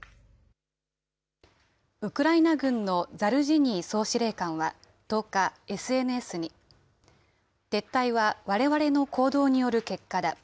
ウクライナ軍のザルジニー総司令官は１０日、ＳＮＳに、撤退はわれわれの行動による結果だ。